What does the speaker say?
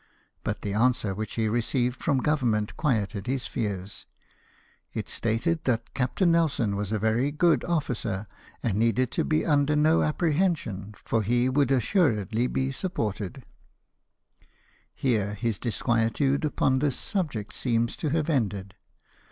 But the answer which he received from Government quieted his fears : it stated that Captain Nelson was a very good officer, and needed to be under no appre hension, for he would assuredly be supported, j: 2 52 LIFE OF NELSON. Here his disquietude upon this subject seems to have ended.